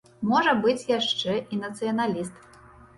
Можа быць, яшчэ і нацыяналіст.